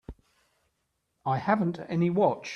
I haven't any watch.